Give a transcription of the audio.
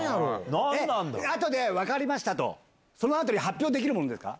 あとで分かりましたと、そのあとに発表できるものですか？